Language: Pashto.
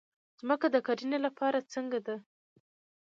ځمکه د کرنې لپاره څنګه ده؟